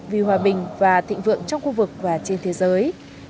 vì hòa bình và thịnh vượng trong khu vực và trên thế giới